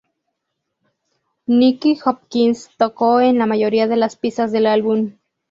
Nicky Hopkins tocó en la mayoría de las pistas del álbum.